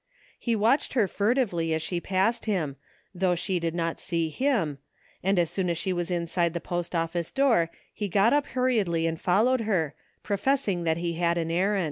He watched her furtively as she passed him, though she did not see him, and as soon as she was inside the post office door he got up hurriedly and followed her, pro fessing that he had an errand.